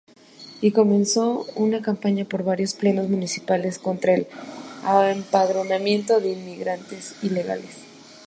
Y comenzó una campaña por varios plenos municipales contra el empadronamiento de inmigrantes ilegales.